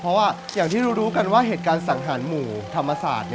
เพราะว่าอย่างที่รู้กันว่าเหตุการณ์สังหารหมู่ธรรมศาสตร์